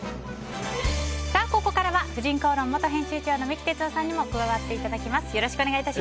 ここから「婦人公論」元編集長の三木哲男さんにも加わっていただきます。